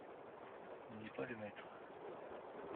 Il n'est pas le maître.